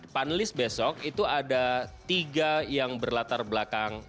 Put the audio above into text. panelis besok itu ada tiga yang berlatar belakang